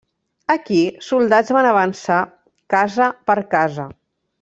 Aquí, soldats van avançar casa per casa.